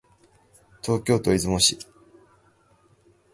東京都雲雀市